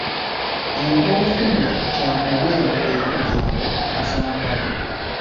Enkoofiira kya muwendo eri abo abazambala.